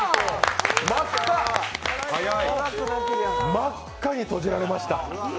真っ赤に閉じられました。